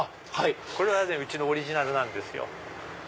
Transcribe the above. これはねうちのオリジナルなんですよ。